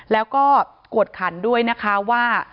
แล้วก็กวดขันด้วยนะคะว่า